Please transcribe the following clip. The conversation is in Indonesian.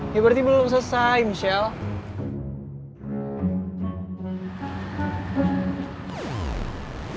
ya berarti belum selesai michelle